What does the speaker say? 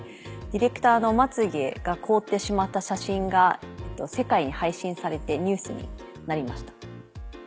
ディレクターのまつ毛が凍ってしまった写真が世界に配信されてニュースになりました。